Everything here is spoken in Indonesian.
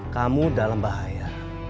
kamu dalam bahaya